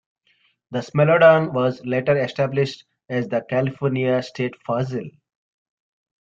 The smilodon was later established as the California state fossil.